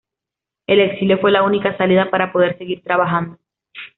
El exilio fue la única salida para poder seguir trabajando.